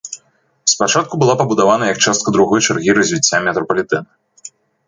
Спачатку была пабудавана як частка другой чаргі развіцця метрапалітэна.